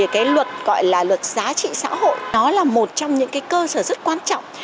cái luật gọi là luật giá trị xã hội nó là một trong những cái cơ sở rất quan trọng